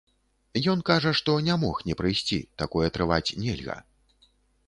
Ён кажа, што не мог не прыйсці, такое трываць нельга.